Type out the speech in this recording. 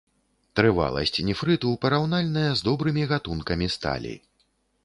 Трываласць нефрыту параўнальная з добрымі гатункамі сталі.